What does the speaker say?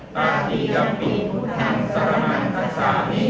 ทุติยังปิตพุทธธังสาระนังขาชามี